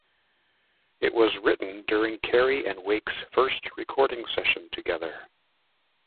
It was written during Carey and Wake's first recording session together.